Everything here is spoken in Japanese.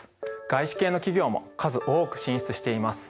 外資系の企業も数多く進出しています。